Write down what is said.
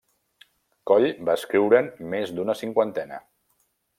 Coll va escriure’n més d’una cinquantena.